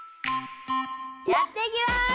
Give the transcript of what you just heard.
やっていきます！